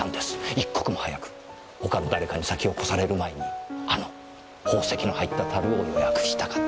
一刻も早く他の誰かに先を越される前にあの宝石の入った樽を予約したかった。